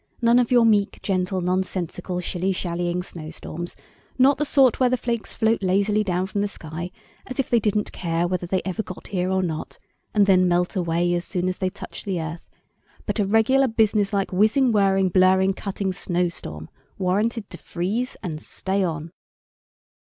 None of your meek, gentle, nonsensical, shilly shallying snow storms; not the sort where the flakes float lazily down from the sky as if they didn't care whether they ever got here or not, and then melt away as soon as they touch the earth, but a regular business like whizzing, whirring, blurring, cutting snow storm, warranted to freeze and stay on!